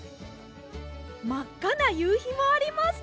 まっかなゆうひもありますね！